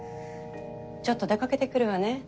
ちょっと出かけてくるわね。